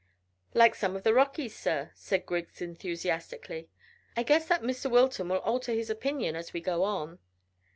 "Like some of the Rockies, sir," cried Griggs enthusiastically. "I guess that Mr Wilton will alter his opinion as we go on."